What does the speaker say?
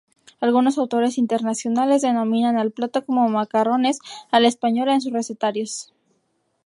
Algunos autores internacionales denominan al plato como macarrones a la española en sus recetarios.